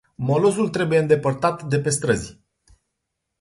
Molozul trebuie îndepărtat de pe străzi.